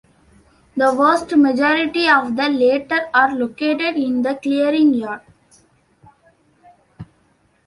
The vast majority of the latter are located in the Clearing Yard.